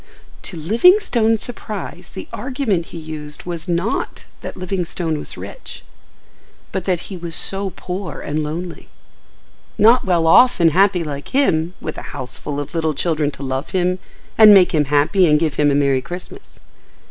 To Livingstone's surprise the argument he used was not that Livingstone was rich, but that he was so poor and lonely; not well off and happy like him, with a house full of little children to love him and make him happy and give him a merry Christmas.